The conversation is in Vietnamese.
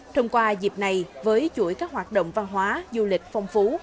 thông qua dịp này với chuỗi các hoạt động văn hóa du lịch phong phú